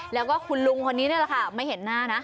แล้วก็คุณลุงคนนี้นี่แหละค่ะไม่เห็นหน้านะ